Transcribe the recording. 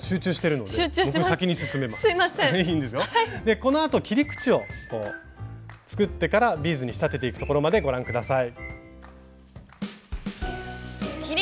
このあと切り口を作ってからビーズに仕立てていくところまでご覧下さい。